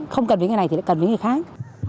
không cần với người này thì lại cần với người khác